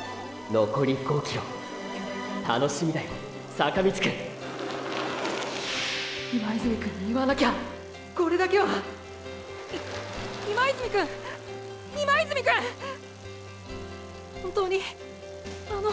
坂道くん今泉くんに言わなきゃこれだけは今泉くん今泉くん！本当にあのごめん！